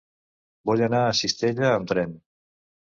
Vull anar a Cistella amb tren.